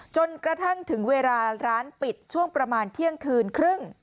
จนกระทั่งถึงเวลาร้านปิดช่วงประมาณเที่ยงคืนครึ่ง